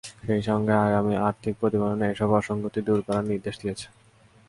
সেই সঙ্গে আগামী আর্থিক প্রতিবেদনে এসব অসংগতি দূর করার নির্দেশ দিয়েছে।